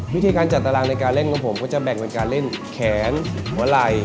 วิธีการจัดตารางในการเล่นของผมก็จะแบ่งเป็นการเล่นแขนหัวไหล่